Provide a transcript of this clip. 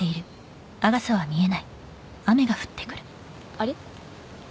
あれ？